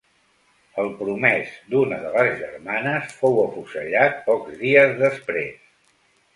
El promès d'una de les germanes fou afusellat pocs dies després.